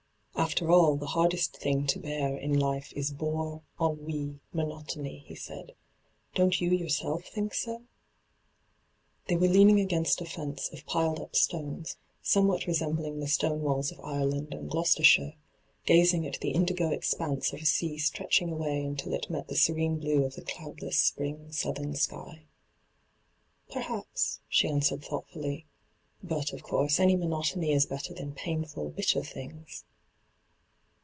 ' After all, the hardest thing to bear in ENTRAPPED 237 life is bore, ennui, monotony,' he asid. ' Don't you yourself think so V They were leaning against a fence of piled up stones, somewhat resembling the stone waUs of Ireland and Gloucestershire, gazing at the indigo expanse of sea stretching away until it met the serene blue of the cloudless spring southern sky. ' Perhaps,' she answered thooghtfully. ' But, of course, any monotony Is better than painful, bitter things.